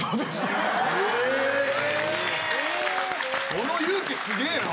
その勇気すげぇな。